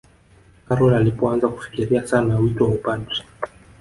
karol alipoanza kufikiria sana wito wa upadri